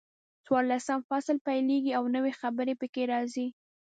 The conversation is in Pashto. څلورلسم فصل پیلېږي او نوي خبرې پکې راځي.